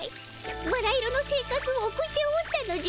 バラ色の生活を送っておったのじゃ。